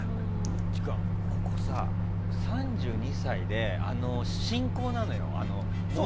ここさ、３２歳で進行なのよ。